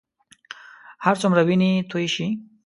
هرڅومره وینې تویې شي.